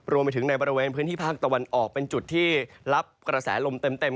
รวมไปถึงในบริเวณพื้นที่ภาคตะวันออกเป็นจุดที่รับกระแสลมเต็ม